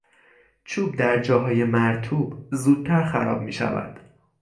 چوب در جاهای مرطوب زودتر خراب میشود.